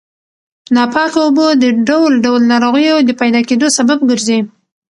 ناپاکه اوبه د ډول ډول ناروغیو د پیدا کېدو سبب ګرځي.